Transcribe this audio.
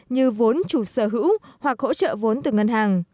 như vốn chủ sở hữu hoặc hỗ trợ vốn từ ngân hàng